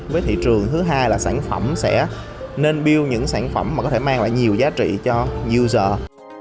với thị trường thứ hai là sản phẩm sẽ nên biêu những sản phẩm mà có thể mang lại nhiều giá trị cho uber